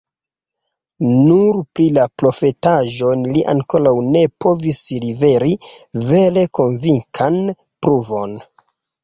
Nur pri la profetaĵoj li ankoraŭ ne povis liveri vere konvinkan pruvon.